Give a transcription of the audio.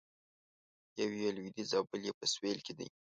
یو یې لویدیځ او بل یې په سویل کې دی.